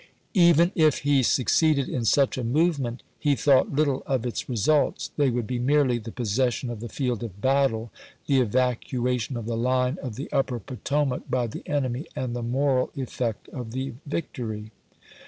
Even if he suc ceeded in such a movement, he thought little of its results ; they would be merely " the possession of the field of battle, the evacuation of the line of the upper Potomac by the enemy, and the moral effect of the victory."